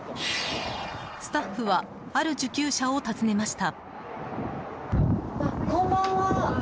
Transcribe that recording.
スタッフはある受給者を訪ねました。